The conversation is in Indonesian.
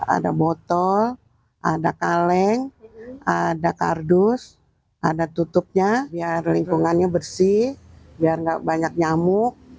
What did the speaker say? ada botol ada kaleng ada kardus ada tutupnya biar lingkungannya bersih biar nggak banyak nyamuk